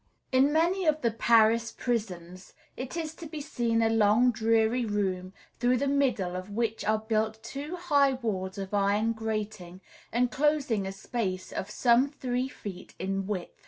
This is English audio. In many of the Paris prisons is to be seen a long, dreary room, through the middle of which are built two high walls of iron grating, enclosing a space of some three feet in width.